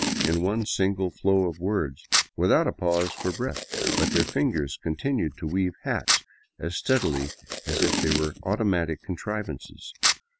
in one single flow of words, without a pause for breath, but their fingers continued to weave hats as steadily as if they were automatic contrivances.